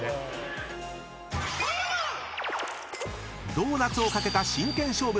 ［ドーナツを懸けた真剣勝負］